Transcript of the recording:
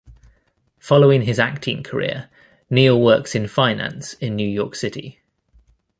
Following his acting career, Neil works in finance in New York City.